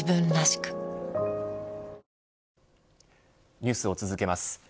ニュースを続けます。